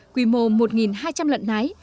quy mô một hai trăm linh lợn nái